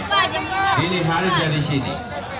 hari ini sudah di sini